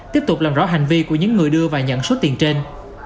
tiếp tục làm rõ hành vi của những người đưa và nhận số tiền trên